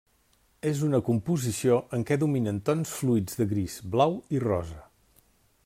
És una composició en què dominen tons fluids de gris, blau i rosa.